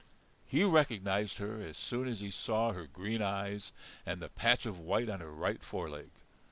He recognized her as soon as he saw her green eyes and the patch of white on her right foreleg.